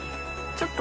ちょっと。